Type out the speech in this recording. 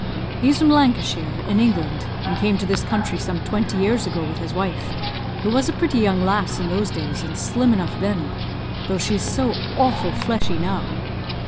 He's from Lancashire, in England, and came to this country some twenty years ago, with his wife, who was a pretty young lass in those days, and slim enough then, though she's so awful fleshy now.